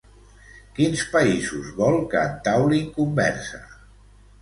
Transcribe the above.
Quins països vol que entaulin conversa?